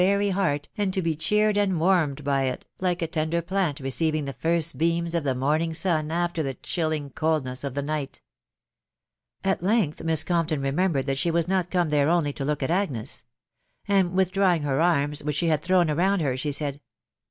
very heart, and to be cheered and warmed by it, like a tender plant receiving the first beams of the morning sun after the chilling coldness of the night. At length Miss Compton remembered that she was not come there only to look at Agnes ; and withdrawing her Arms, which she had thrown around her, she said